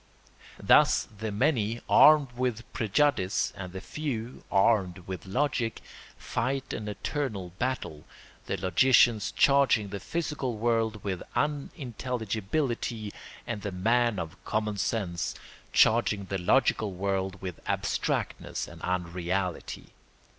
Thus the many armed with prejudice and the few armed with logic fight an eternal battle, the logician charging the physical world with unintelligibility and the man of common sense charging the logical world with abstractness and unreality.